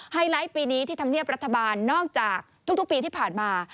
ไลท์ปีนี้ที่ธรรมเนียบรัฐบาลนอกจากทุกปีที่ผ่านมา